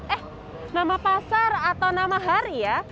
eh nama pasar atau nama hari ya